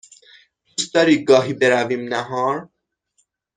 دوست داری گاهی برویم نهار؟